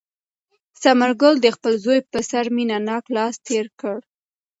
ثمر ګل د خپل زوی په سر مینه ناک لاس تېر کړ.